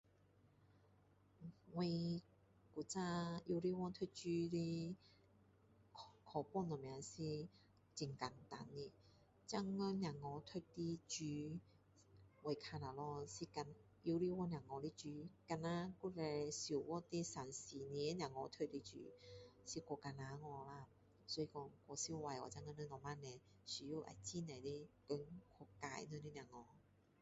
我古早幼稚园读书的课本什么是很简单的。现在小孩读的书，我看下去。 [unintelligible] 幼稚园小孩的书好像以前小学3，4年小孩读的书。是太艰难了啦。所以说,太辛苦了现在的父母亲。需要有很多工去教他们的小孩。